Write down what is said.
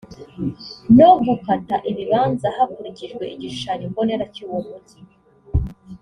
no gukata ibibanza hakurikijwe igishushanyo mbonera cy’uwo mujyi